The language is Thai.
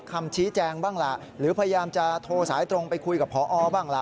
คำชี้แจงบ้างล่ะหรือพยายามจะโทรสายตรงไปคุยกับพอบ้างล่ะ